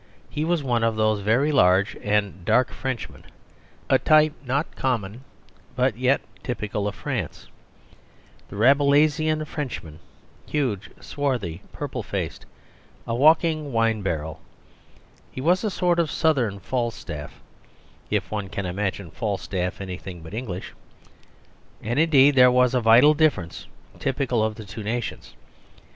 He was one of those very large and dark Frenchmen, a type not common but yet typical of France; the Rabelaisian Frenchman, huge, swarthy, purple faced, a walking wine barrel; he was a sort of Southern Falstaff, if one can imagine Falstaff anything but English. And, indeed, there was a vital difference, typical of two nations.